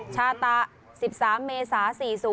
ชาตะ๑๓เมษา๔๐